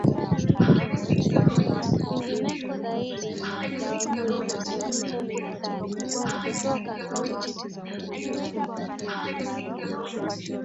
KWENGINEKO ZAIDI YA WAKULIMA ELFU KUMI NA TATU KUTOKA KAUNTI ZA KWALE